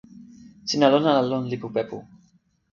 sina lon ala lon lipu Pepu?